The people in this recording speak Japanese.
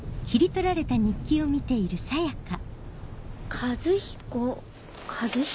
和彦和彦。